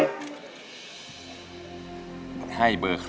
ตัวช่วยแผ่นที่๖ค่ะ